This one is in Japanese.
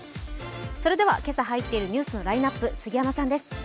今朝入っているニュースのラインナップ、杉山さんです。